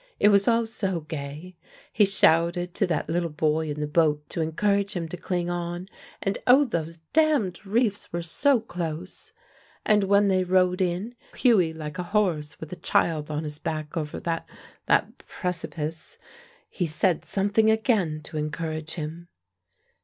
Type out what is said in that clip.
"It was all so gay. He shouted to that little boy in the boat to encourage him to cling on, and oh, those damned reefs were so close. And when they rode in, Hughie like a horse with a child on his back over that that precipice, he said something again to encourage him."